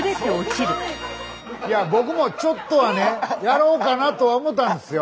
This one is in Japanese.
僕もちょっとはねやろうかなとは思ったんですよ。